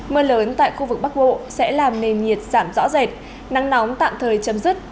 mưa lớn tại khu vực bắc bộ sẽ làm nền nhiệt giảm rõ rệt nắng nóng tạm thời chấm dứt